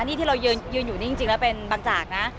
นี่ที่เรายืนอยู่นี่จริงแล้วเป็นบางจากนะ